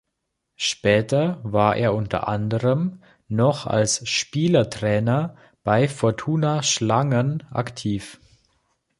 Später war er unter anderem noch als Spielertrainer bei Fortuna Schlangen aktiv.